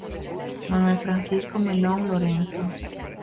Manuel Francisco Melón Lorenzo.